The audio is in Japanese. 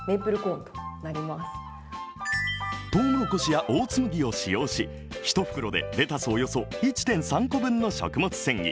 とうもろこしやオーツ麦を使用し、１袋でレタスおよそ１．３個分の食物繊維。